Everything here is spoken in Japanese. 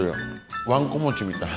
わんこ餅みたい。